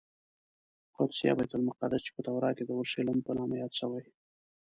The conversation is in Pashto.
قدس یا بیت المقدس چې په تورات کې د اورشلیم په نامه یاد شوی.